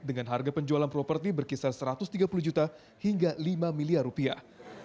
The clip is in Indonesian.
dengan harga penjualan properti berkisar satu ratus tiga puluh juta hingga lima miliar rupiah